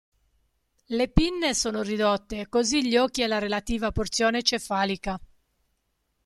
Le pinne sono ridotte, così gli occhi e la relativa porzione cefalica.